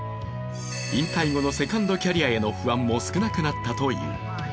引退後のセカンドキャリアへの不安も少なくなったという。